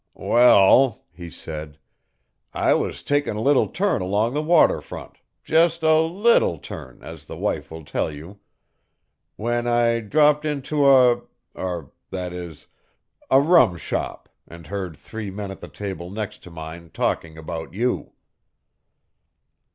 "Wal," he said, "I was takin' a little turn along the water front, just a leetle turn, as the wife will tell you, when I dropped into a er that is a rum shop and heard three men at the table next to mine talking about you."